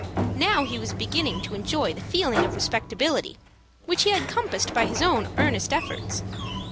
Now he was beginning to enjoy the feeling of respectability, which he had compassed by his own earnest efforts.